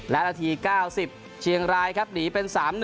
และนาที๙๐เชียงรายครับหนีเป็น๓๑